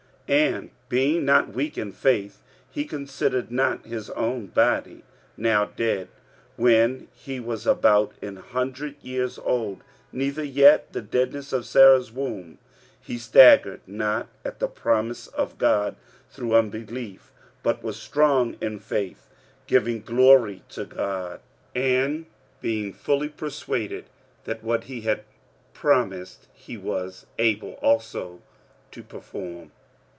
45:004:019 And being not weak in faith, he considered not his own body now dead, when he was about an hundred years old, neither yet the deadness of Sarah's womb: 45:004:020 He staggered not at the promise of God through unbelief; but was strong in faith, giving glory to God; 45:004:021 And being fully persuaded that, what he had promised, he was able also to perform.